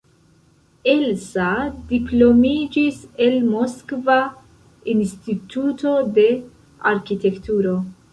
Elsa diplomiĝis el Moskva Instituto de Arkitekturo.